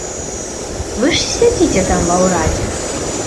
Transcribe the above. Вы ж і сядзіце там ва ўрадзе.